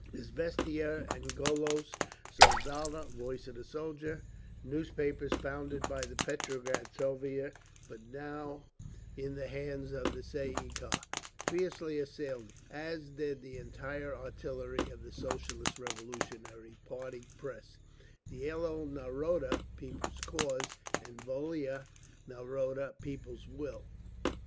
Izviestia and Golos Soldata (Voice of the Soldier), newspapers founded by the Petrograd Soviet but now in the hands of the Tsay ee kah, fiercely assailed it, as did the entire artillery of the Socialist Revolutionary party press, Dielo Naroda (People's Cause) and Volia Naroda (People's Will).